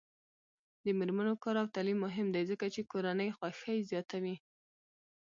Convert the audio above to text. د میرمنو کار او تعلیم مهم دی ځکه چې کورنۍ خوښۍ زیاتوي.